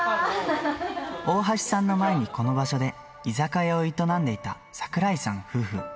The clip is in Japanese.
大橋さんの前にこの場所で居酒屋を営んでいた桜井さん夫婦。